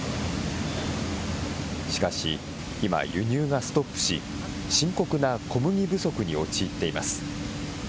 しかし、今、輸入がストップし、深刻な小麦不足に陥っています。